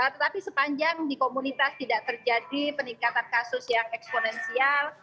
tetapi sepanjang di komunitas tidak terjadi peningkatan kasus yang eksponensial